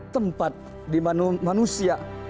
tempat di mana manusia